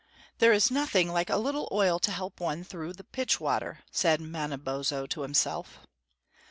"There is nothing like a little oil to help one through pitch water," said Manabozho to himself.